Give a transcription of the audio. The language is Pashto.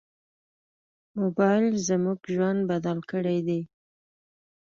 موبایل زموږ ژوند بدل کړی دی.